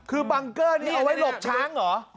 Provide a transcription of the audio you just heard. คือบังเกอร์นี่เอาไว้หลบช้างเหรอ